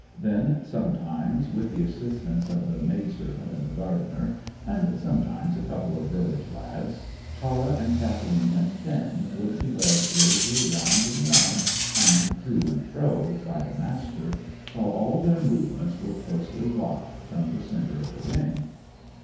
Then, sometimes with the assistance of the maidservant and the gardener, and sometimes a couple of village lads, Tara and Kathleen and Finn would be led gravely round and round, and to and fro, by the Master, while all their movements were closely watched from the centre of the ring.